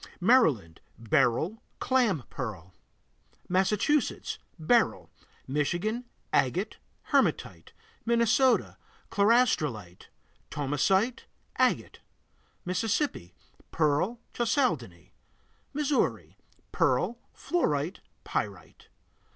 Maryland Beryl, clam pearl. Massachusetts Beryl. Michigan Agate, hematite. Minnesota Chlorastrolite, thomsonite, agate. Mississippi Pearl, chalcedony. Missouri Pearl, fluorite, pyrite.